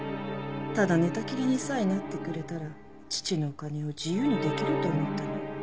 ただ寝たきりにさえなってくれたら父のお金を自由にできると思ったの。